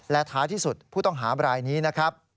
และท้ายที่สุดผู้ต้องหาบรายนี้นะครับ